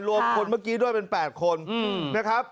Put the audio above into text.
คนเมื่อกี้ด้วยเป็น๘คนนะครับ